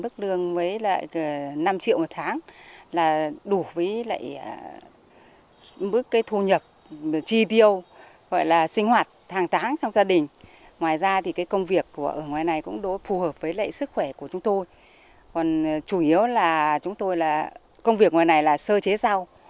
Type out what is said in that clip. còn chủ yếu là chúng tôi là công việc ngoài này là sơ chế rau